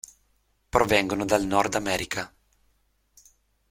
Provengono dal Nord America.